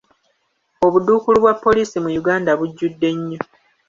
Obuduukulu bwa poliisi mu Uganda bujjudde nnyo.